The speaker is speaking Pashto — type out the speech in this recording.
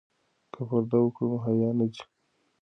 که پرده وکړو نو حیا نه ځي.